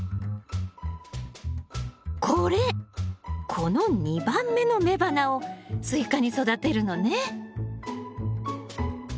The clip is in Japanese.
この２番目の雌花をスイカに育てるのね。